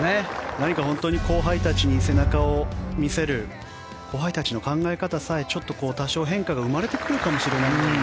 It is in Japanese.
何か本当に後輩たちに背中を見せるお前たちの考え方さえ多少、変化が生まれてくるかもしれないという。